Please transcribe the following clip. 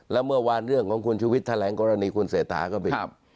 แล้วเมื่อวานเรื่องของคุณชุวิตแถลงกรณีคุณเศรษฐาก็เป็น